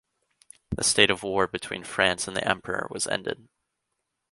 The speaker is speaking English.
The state of war between France and the Emperor was ended.